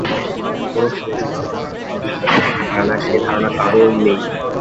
কোনো ছেলের সঙ্গে তার যোগাযোগ থাকতে পারে, সেই ধারণা কারও নেই।